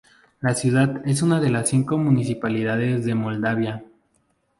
La ciudad es una de las cinco municipalidades de Moldavia.